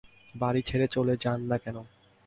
বাড়ি ছেড়ে চলে যান না কেন?